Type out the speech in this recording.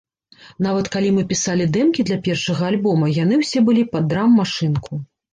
Нават, калі мы пісалі дэмкі для першага альбома, яны ўсе былі пад драм-машынку.